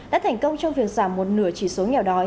đã thành công trong việc giảm một nửa chỉ số nghèo đói